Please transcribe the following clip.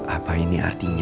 apa ini artinya